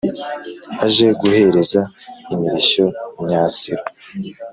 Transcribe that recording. aje guhereza imirishyo myasiro.